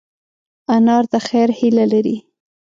انا د خیر هیله لري